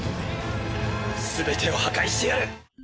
全てを破壊してやる！